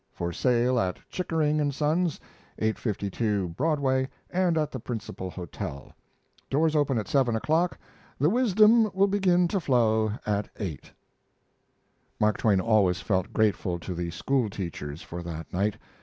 For Sale at Chickering and Sons, 852 Broadway, and at the Principal Hotel Doors open at 7 o'clock. The Wisdom will begin to flow at 8. Mark Twain always felt grateful to the school teachers for that night.